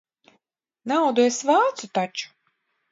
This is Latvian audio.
Naudu es vācu taču.